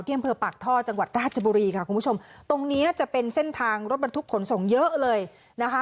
อำเภอปากท่อจังหวัดราชบุรีค่ะคุณผู้ชมตรงเนี้ยจะเป็นเส้นทางรถบรรทุกขนส่งเยอะเลยนะคะ